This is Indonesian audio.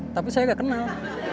tapi saya gak kenal